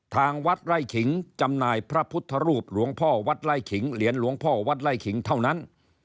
ทางวัดไร่ขิงจำหน่ายพระพุทธรูปหลวงพ่อวัดไล่ขิงเหรียญหลวงพ่อวัดไล่ขิงเท่านั้น